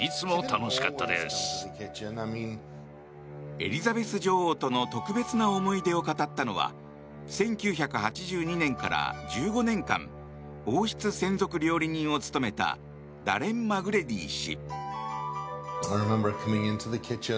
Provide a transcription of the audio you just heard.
エリザベス女王との特別な思い出を語ったのは１９８２年から１５年間王室専属料理人を務めたダレン・マグレディ氏。